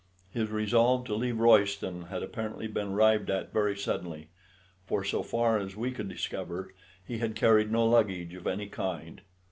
His resolve to leave Royston had apparently been arrived at very suddenly, for so far as we could discover, he had carried no luggage of any kind.